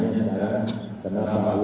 bukan hanya pp